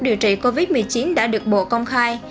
điều trị covid một mươi chín đã được bộ công khai